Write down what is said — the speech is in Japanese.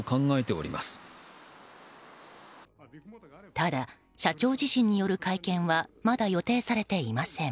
ただ、社長自身による会見はまだ予定されていません。